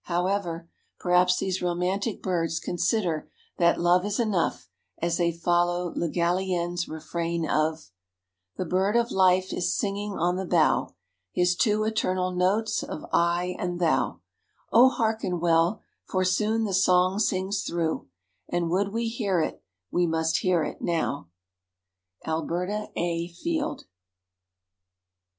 However, perhaps these romantic birds consider that "love is enough" as they follow Le Gallienne's refrain of: "The bird of life is singing on the bough, His two eternal notes of 'I and Thou'— Oh, hearken well, for soon the song sings through And would we hear it, we must hear it now." Alberta A. Field.